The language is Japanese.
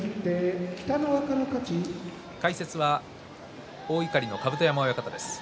解説は大碇の甲山親方です。